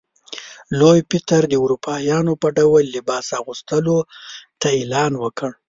لوی پطر د اروپایانو په ډول لباس اغوستلو ته اعلان وکړ.